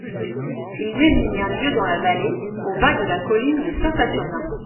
Il désigne un lieu dans la vallée, au bas de la colline de Saint-Saturnin.